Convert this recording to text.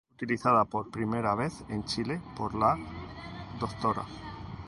Utilizada por primera vez en Chile por la Dra.